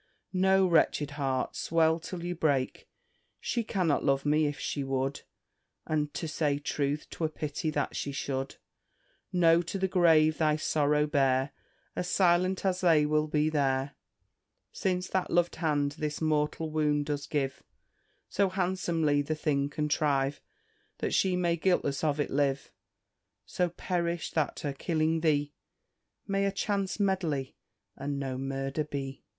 No, wretched heart, swell till you break. She cannot love me, if she would, And, to say truth, 'twere pity that she should. No, to the grave thy sorrow bear, As silent as they will be there; Since that lov'd hand this mortal wound does give, So handsomely the thing contrive That she may guiltless of it live; So perish, that her killing thee May a chance medley, and no murder, be."